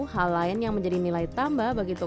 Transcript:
hal lain yang menjadi nilai tambah bagi toko buku itu adalah